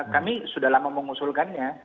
kami sudah lama mengusulkannya